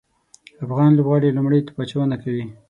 افغان لوبغاړي لومړی توپ اچونه کوي